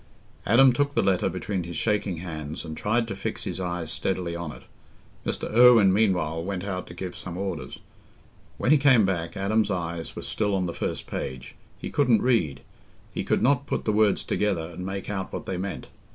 Adam took the letter between his shaking hands and tried to fix his eyes steadily on it. Mr. Irwine meanwhile went out to give some orders. When he came back, Adam's eyes were still on the first page—he couldn't read—he could not put the words together and make out what they meant.